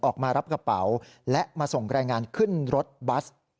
ออกมารับกระเป๋าและมาส่งแรงงานขึ้นรถบัส